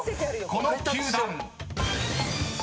［この球団］